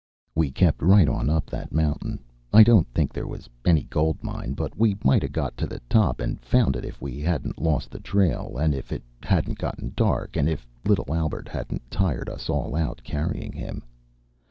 We kept right on up that mountain. I don't think there was any gold mine, but we might 'a' got to the top and found it, if we hadn't lost the trail, and if it hadn't got dark, and if little Albert hadn't tired us all out carrying him.